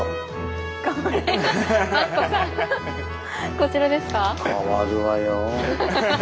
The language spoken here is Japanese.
こちらですか？